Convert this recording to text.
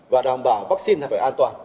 và đảm bảo vaccine phải an toàn